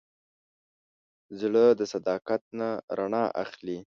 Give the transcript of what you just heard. زړه د صداقت نه رڼا اخلي.